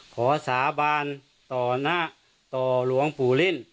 ขอสาบานต่อหน้าต่อหลวงผู้ลิ้น